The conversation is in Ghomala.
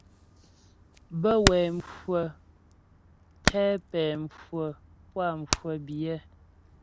Bə́ wɛ mhwə̌ tɛ pɛ̌ mhwə̀ puá mhwə biyɛ.